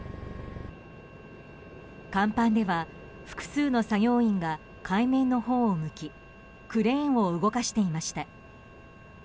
甲板では複数の作業員が海面のほうを向きクレーンを動かしていました。